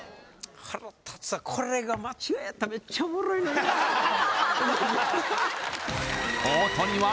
腹立つわこれが間違えたらめっちゃおもろいのにな